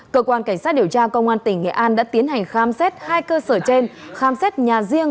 cơ quan cảnh sát điều tra công an tỉnh nghệ an đã tiến hành khám xét hai cơ sở trên khám xét nhà riêng